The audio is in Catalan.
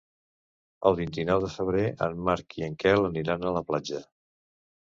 El vint-i-nou de febrer en Marc i en Quel aniran a la platja.